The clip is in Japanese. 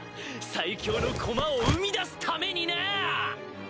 最強の駒を生み出すためにな！